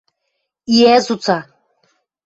Иӓ цуца!